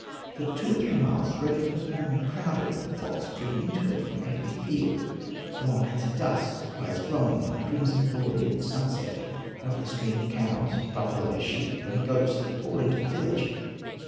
For two or three miles the road becomes more and more crowded with the flocks driven into it from every field, a long haze of dust lies glowing in the crimson glory of sunset over the stream of cows and buffaloes, sheep and goats, that pour into the village.